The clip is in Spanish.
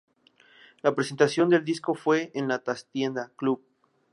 La presentación del disco fue en La Trastienda Club.